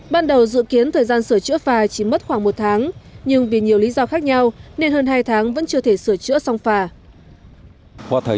ban đầu dự kiến thời gian sửa chữa phà chỉ mất khoảng một tháng nhưng vì nhiều lý do khác nhau nên hơn hai tháng vẫn chưa thể sửa chữa xong phà